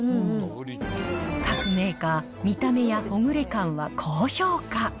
各メーカー、見た目やほぐれ感は高評価。